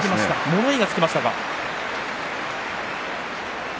物言いがつきましたか。